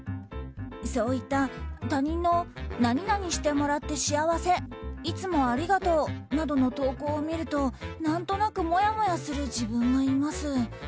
そういった他人の何々してもらって幸せいつもありがとうなどの投稿を見ると何となくもやもやする自分がいます。